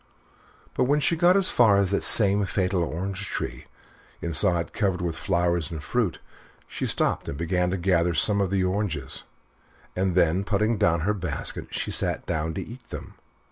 But when she got as far as the same fatal orange tree, and saw it covered with flowers and fruit, she stopped and began to gather some of the oranges and then, putting down her basket, she sat down to eat them.